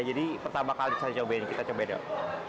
jadi pertama kali saya cobain kita cobain dong